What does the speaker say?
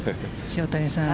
塩谷さん